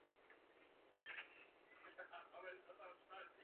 Mezinárodní označení Čes.